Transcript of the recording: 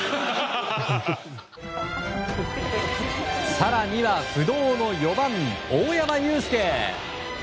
更には、不動の４番大山悠輔。